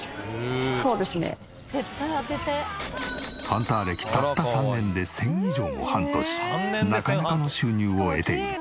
ハンター歴たった３年で１０００以上もハントしなかなかの収入を得ている。